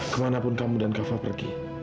kemana pun kamu dan kak fad pergi